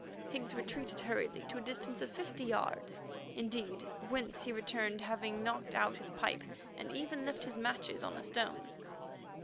Higgs retreated hurriedly, to a distance of fifty yards indeed, whence he returned, having knocked out his pipe and even left his matches on a stone.